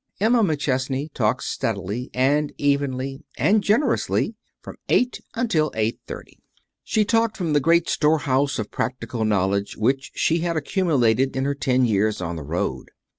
Emma McChesney talked steadily, and evenly, and generously, from eight until eight thirty. She talked from the great storehouse of practical knowledge which she had accumulated in her ten years on the road.